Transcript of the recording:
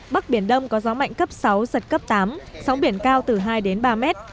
bắc biển đông có gió mạnh cấp sáu giật cấp tám sóng biển cao từ hai đến ba mét